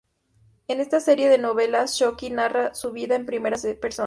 En esta serie de novelas, Sookie narra su vida en primera persona.